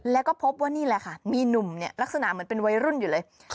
แล้วก็พบว่านี่แหละค่ะมีหนุ่มเนี่ยลักษณะเหมือนเป็นวัยรุ่นอยู่เลย